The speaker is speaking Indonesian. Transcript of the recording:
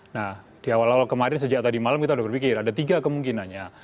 nah di awal awal kemarin sejak tadi malam kita sudah berpikir ada tiga kemungkinannya